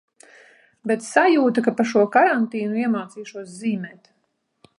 Bet sajūta, ka pa šo karantīnu iemācīšos zīmēt.